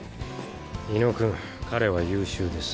猪野君彼は優秀です。